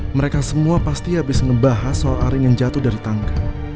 mereka semua pasti habis ngebahas soal arin yang jatuh dari tangga